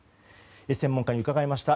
専門家に伺いました。